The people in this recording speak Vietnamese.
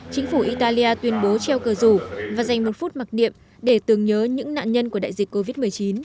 chính phủ italia tuyên bố treo cờ rủ và dành một phút mặc niệm để tưởng nhớ những nạn nhân của đại dịch covid một mươi chín